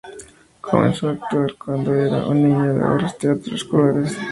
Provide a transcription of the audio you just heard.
Comenzó a actuar cuando era un niño en obras de teatro escolares.